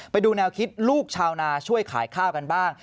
ไปดูแนวคิดลูกชาวนาช่วยขายข้าวกันบ้าง